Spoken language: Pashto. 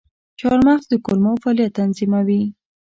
چارمغز د کولمو فعالیت تنظیموي.